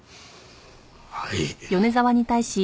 はい。